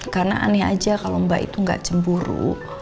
karena aneh aja kalau mbak itu nggak cemburu